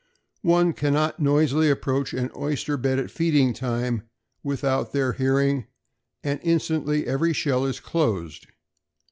One cannot noisily approach an oyster bed at feeding time without their hearing, and instantly every shell is closed.